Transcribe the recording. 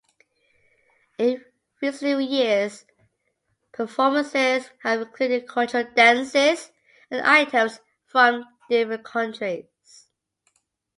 In recent years, performances have included cultural dances and items from different countries.